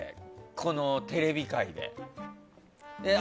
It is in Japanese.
このテレビ界で。